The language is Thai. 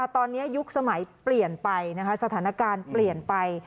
ตอนนี้ยุคสมัยเปลี่ยนไปนะคะสถานการณ์เปลี่ยนไป